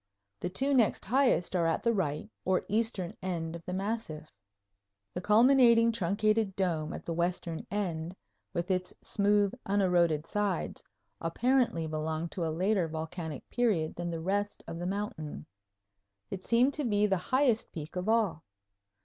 The two next highest are at the right, or eastern, end of the massif. The culminating truncated dome at the western end, with its smooth, uneroded sides, apparently belonged to a later volcanic period than the rest of the mountain. It seemed to be the highest peak of all.